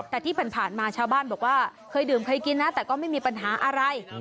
แต่ที่ผ่านมาชาวบ้านบอกว่าเคยดื่มเคยกินนะแต่ก็ไม่มีปัญหาอะไร